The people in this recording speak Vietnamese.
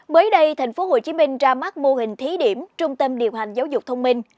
mới đây thành phố hồ chí minh ra mắt mô hình thí điểm trung tâm điều hành giáo dục thông minh